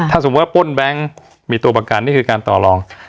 ถ้าสมมุติว่าป้นแบงค์มีตัวประกันนี่คือการต่อรอง